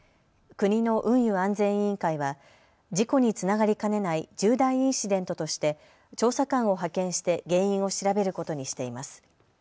国の運輸安全委員会は事故につながりかねない重大インシデントとして調査官を派遣して原因を調べることにしています。